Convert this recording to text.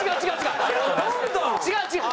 違う違う。